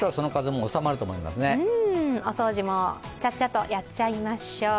お掃除もちゃっちゃとやっちゃいましょう。